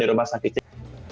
yang sudah masak kecil